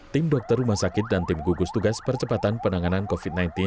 tim dokter rumah sakit dan tim gugus tugas percepatan penanganan covid sembilan belas